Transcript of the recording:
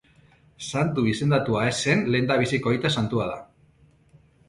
Santu izendatua ez zen lehendabiziko aita santua da.